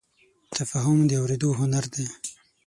تفاهم د اورېدو هنر دی.